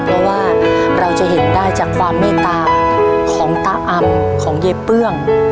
เพราะว่าเราจะเห็นได้จากความเมตตาของตาอำของยายเปื้อง